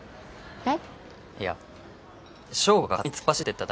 えっ